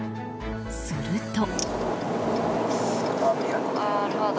すると。